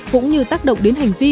cũng như tác động đến hành vi